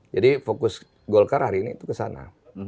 jadi fokus golkar hari ini itu ke sana